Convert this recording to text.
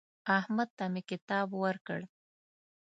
احمد ته مې کتاب ورکړ.